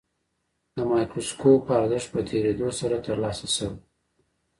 د مایکروسکوپ ارزښت په تېرېدو سره ترلاسه شوی.